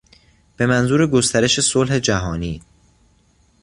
بهمنظور گسترش صلح جهانی